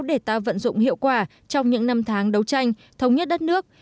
để ta vận dụng hiệu quả trong những năm tháng đấu tranh thống nhất đất nước